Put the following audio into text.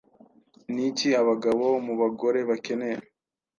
Ni iki abagabo mu bagore bakeneye?